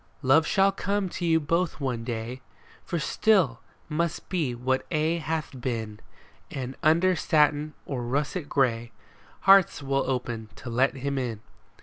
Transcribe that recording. Love shall come to you both one day. For still must be what aye hath been ; And under satin or russet gray Hearts will open to let him in.